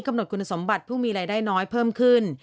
หดคุณสมบัติผู้มีรายได้น้อยเพิ่มขึ้น